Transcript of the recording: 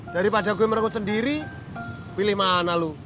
daripada gue merekut sendiri pilih mana lu